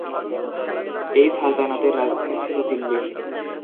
এই সালতানাতের রাজধানী ছিল দিল্লি।